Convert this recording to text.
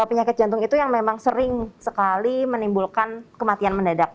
penyakit jantung itu yang memang sering sekali menimbulkan kematian mendadak